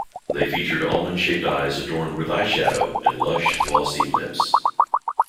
They featured almond-shaped eyes adorned with eyeshadow, and lush, glossy lips.